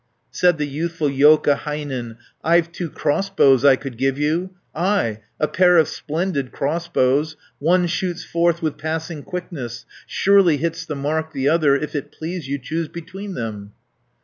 Said the youthful Joukahainen, "I've two crossbows I could give you, 360 Ay, a pair of splendid crossbows, One shoots forth with passing quickness, Surely hits the mark the other. If it please you, choose between them."